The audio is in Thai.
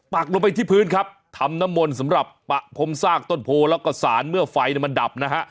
ลงไปที่พื้นครับทำน้ำมนต์สำหรับปะพรมซากต้นโพแล้วก็สารเมื่อไฟมันดับนะฮะ